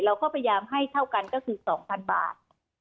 เราก็พยายามให้เท่ากันก็คือ๒๐๐๐บาท